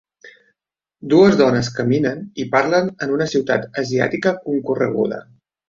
Dues dones caminen i parlen en una ciutat asiàtica concorreguda.